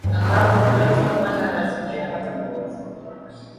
ambapo bolton wanderers wenyewe watakuwa